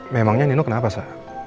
memangnya nino kenapa sa